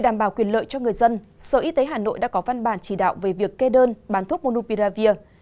đảm bảo quyền lợi cho người dân sở y tế hà nội đã có văn bản chỉ đạo về việc kê đơn bán thuốc munupiravir